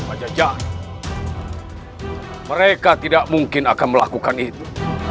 pada jajan mereka tidak mungkin akan melakukan itu